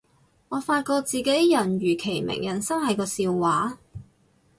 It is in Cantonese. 我發覺自己人如其名，人生係個笑話